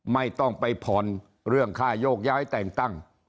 ไม่ต้องไปผ่อนเรื่องค่าโยกย้ายแต่งตั้ง